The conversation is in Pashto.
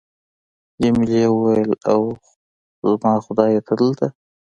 جميلې وويل:: اوه، زما خدایه، ته دلته!